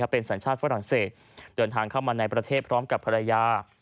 เป็นสัญชาติฝรั่งเศสเดินทางเข้ามาในประเทศพร้อมกับภรรยา